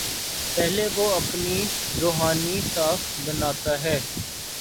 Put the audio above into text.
پہلے وہ اپنی روحانی ساکھ بناتا ہے۔